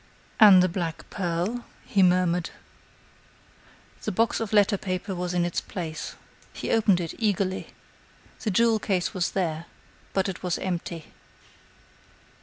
"And the black pearl?" he murmured. The box of letter paper was in its place. He opened it, eagerly. The jewel case was there, but it was empty.